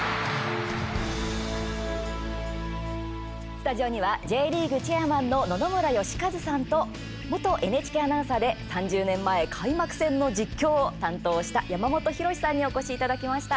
スタジオにはＪリーグチェアマンの野々村芳和さんと元ＮＨＫアナウンサーで３０年前開幕戦の実況を担当した山本浩さんにお越しいただきました。